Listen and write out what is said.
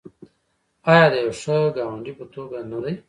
آیا د یو ښه ګاونډي په توګه نه دی؟